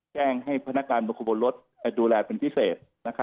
แจ้งให้พนักการบุคคลบนรถดูแลเป็นพิเศษ